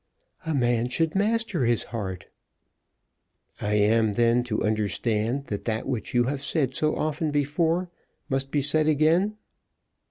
"A man should master his heart." "I am, then, to understand that that which you have said so often before must be said again?"